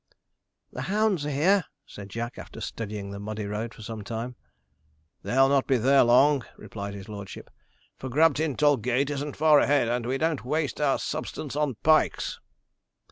'The hounds are here,' said Jack, after studying the muddy road for some time. 'They'll not be there long,' replied his lordship, 'for Grabtintoll Gate isn't far ahead, and we don't waste our substance on pikes.'